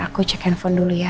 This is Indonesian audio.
aku cek handphone dulu ya